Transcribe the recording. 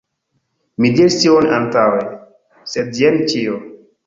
Mi diris tion antaŭe, sed jen ĉio.